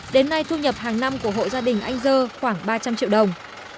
đến nay thu nhập hàng năm của hộ gia đình anh dơ khoảng ba trăm linh triệu đồng